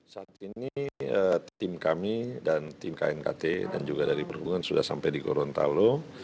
saat ini tim kami dan tim knkt dan juga dari perhubungan sudah sampai di gorontalo